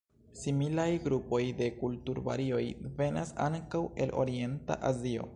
Similaj grupoj de kulturvarioj venas ankaŭ el orienta Azio.